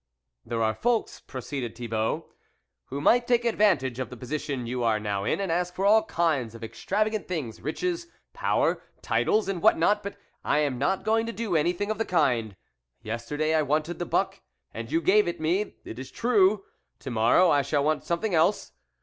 " There are folks," proceeded Thibault, "who might take advantage of the position you are now in, and ask for all kinds of extravagant things, riches, power, titles, and what not, but I am not going to do anything of the kind ; yesterday I wanted the buck, and you gave it me, it is true; to morrow, I shall want something else.